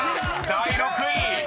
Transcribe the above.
第６位。